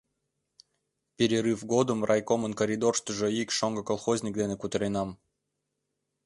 — Перерыв годым райкомын коридорыштыжо ик шоҥго колхозник дене кутыренам.